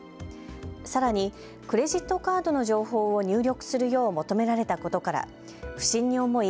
さらにクレジットカードの情報を入力するよう求められたことから不審に思い